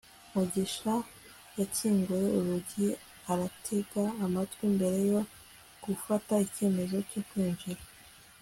mugisha yakinguye urugi aratega amatwi mbere yo gufata icyemezo cyo kwinjira